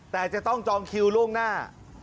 แต่จะต้องจองคิวล่วงหน้า